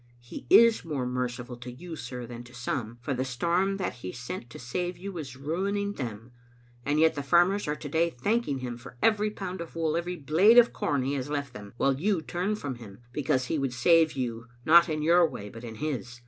He is more merciful to you, sir, than to some, for the storm that He sent to save you is ruining them. And yet the farmers are to day thanking Him for every pound of wool, every blade of corn He has left them, while you turn from Him because He would save you, not in your way, but in His.